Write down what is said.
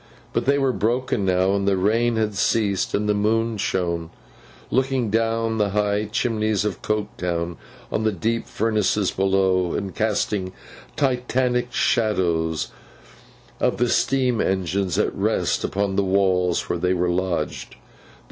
But, they were broken now, and the rain had ceased, and the moon shone,—looking down the high chimneys of Coketown on the deep furnaces below, and casting Titanic shadows of the steam engines at rest, upon the walls where they were lodged.